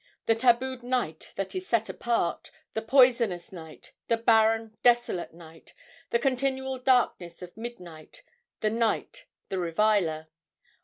The tabued Night that is set apart, The poisonous Night, The barren, desolate Night, The continual darkness of midnight, The Night, the reviler.